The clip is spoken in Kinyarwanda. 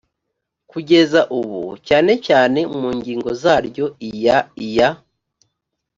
kugeza ubu cyane cyane mu ngingo zaryo iya iya